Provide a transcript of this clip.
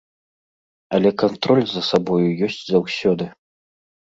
Але кантроль за сабою ёсць заўсёды.